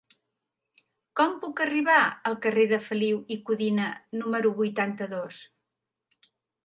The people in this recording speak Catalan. Com puc arribar al carrer de Feliu i Codina número vuitanta-dos?